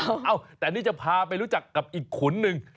เอ้าแต่นี่จะพาไปรู้จักกับอีกขุนหนึ่ง